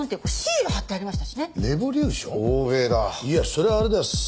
いやそれはあれだよ